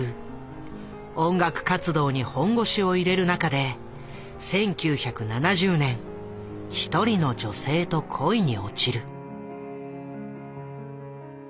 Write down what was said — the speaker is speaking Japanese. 音楽活動に本腰を入れる中で１９７０年一人の女性と恋に落ちる。